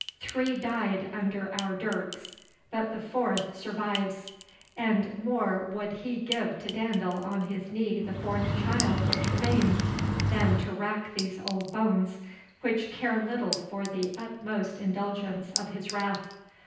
Three died under our dirks, but the fourth survives; and more would he give to dandle on his knee the fourth child which remains, than to rack these old bones, which care little for the utmost indulgence of his wrath.